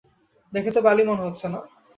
দেখে তো বালি মনে হচ্ছে না।